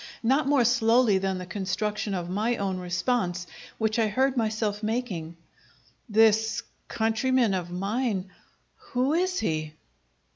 Not more slowly than the construction of my own response, which I heard myself making: "This countryman of mine who is he?"